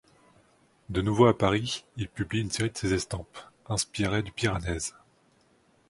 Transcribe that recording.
De nouveau à Paris, il publie une série de ses estampes, inspirés du Piranèse.